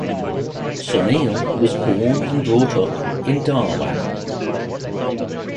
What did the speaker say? Suneel was born and brought up in Dharwad.